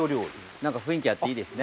何か雰囲気あっていいですね。